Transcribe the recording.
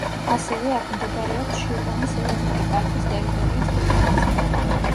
ასევე აქ მდებარეობს შირვანის ეროვნული პარკის ტერიტორიის დიდი ნაწილი.